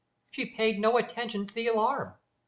She paid no attention to the alarm.